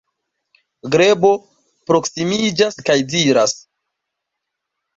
Grebo proksimiĝas kaj diras: